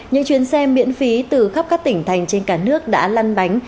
những chuyến xe miễn phí từ khắp các tỉnh thành trên cả nước đã lăn bánh